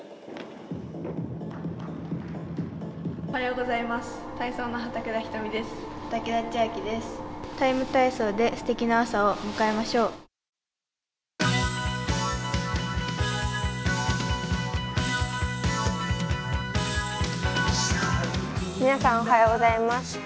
おはようございます。